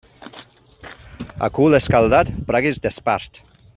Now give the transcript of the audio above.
A cul escaldat, bragues d'espart.